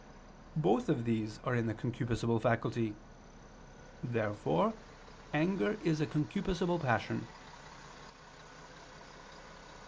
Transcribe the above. Both of these are in the concupiscible faculty. Therefore anger is a concupiscible passion.